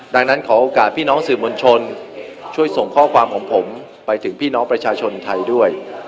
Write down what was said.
ดังนั้นขอโอกาสพี่น้องสื่อมวลชนช่วยส่งข้อความของผมไปถึงพี่น้องประชาชนไทยด้วย